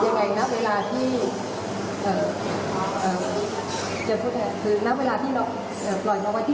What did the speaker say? เจชุแทนโดยเวลาที่เราปล่อยมาไว้ที่โรงการทำอำนาจ